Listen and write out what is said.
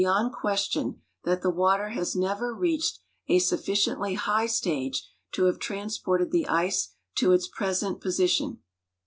yond question that the Avater has never reached a sufficiently high stage to have transi>orted the ice to its present position.